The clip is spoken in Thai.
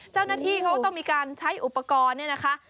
เจ้าหน้าที่เขาต้องมีการใช้อุปกรณ์เนี่ยนะคะ